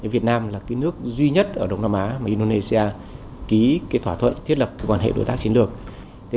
việt nam là nước duy nhất ở đông nam á mà indonesia ký thỏa thuận thiết lập quan hệ